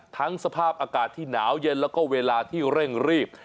สภาพอากาศที่หนาวเย็นแล้วก็เวลาที่เร่งรีบ